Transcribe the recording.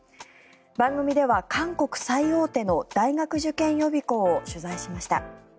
番組では、韓国最大手の大学受験予備校を取材しました。